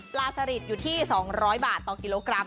สลิดอยู่ที่๒๐๐บาทต่อกิโลกรัม